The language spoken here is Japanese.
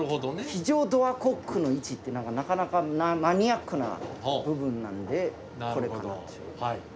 「非常ドアコックの位置」ってのがなかなかマニアックな部分なんでこれかなっていう。